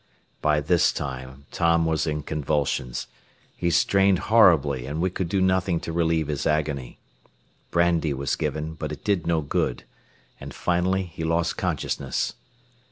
By this time Tom was in convulsions. He strained horribly, and we could do nothing to relieve his agony. Brandy was given, but it did no good, and finally he lost consciousness.